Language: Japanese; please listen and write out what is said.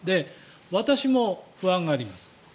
私も不安があります。